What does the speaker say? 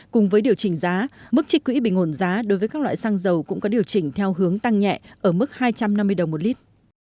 cùng với điều chỉnh giá mức trích quỹ bình ổn giá đối với các loại xăng dầu cũng có điều chỉnh theo hướng tăng nhẹ ở mức hai trăm năm mươi đồng một lít